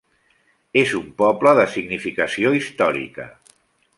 És un poble de significació històrica.